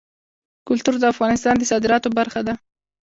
کلتور د افغانستان د صادراتو برخه ده.